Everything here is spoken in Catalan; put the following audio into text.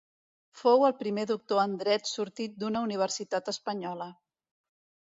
Fou el primer doctor en dret sortit d'una universitat espanyola.